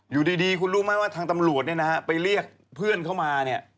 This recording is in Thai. อยู่ดีคุณรู้ไหมว่าทางตำรวจไปเรียกเพื่อนเข้ามา